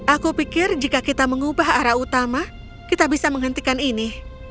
aku pikir jika kita mengubah arah utama kita bisa menghentikan ini